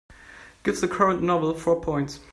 Give the current novel four points.